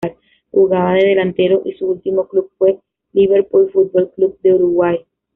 Jugaba de delantero y su último club fue Liverpool Fútbol Club de Uruguay.